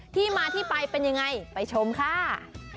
ที่มาที่ไปเป็นยังไงไปชมค่ะ